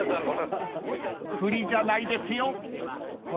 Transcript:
［振りじゃないですよ］